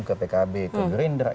ke pkb ke gerindra